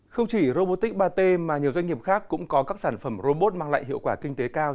không chỉ robotic ba t mà nhiều doanh nghiệp khác cũng có các sản phẩm robot mang lại hiệu quả kinh tế cao